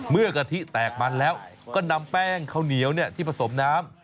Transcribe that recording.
กะทิแตกมันแล้วก็นำแป้งข้าวเหนียวที่ผสมน้ำ